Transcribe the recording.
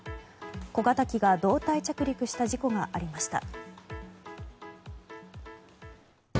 小型機が胴体着陸した事故がありました。